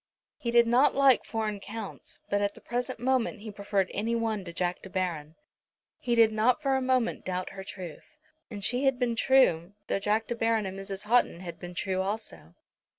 He did not like foreign Counts, but at the present moment he preferred any one to Jack De Baron. He did not for a moment doubt her truth. And she had been true, though Jack De Baron and Mrs. Houghton had been true also.